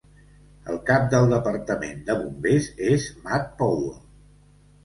El cap del departament de bombers és Matt Powell.